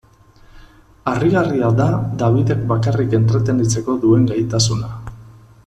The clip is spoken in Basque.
Harrigarria da Dabidek bakarrik entretenitzeko duen gaitasuna.